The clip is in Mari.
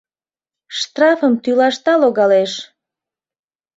— Штрафым тӱлашда логалеш!